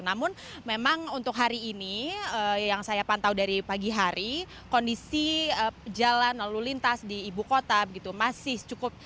namun memang untuk hari ini yang saya pantau dari pagi hari kondisi jalan lalu lintas di ibu kota begitu masih cukup